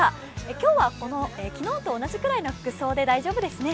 今日は昨日と同じくらいの服装で大丈夫ですね？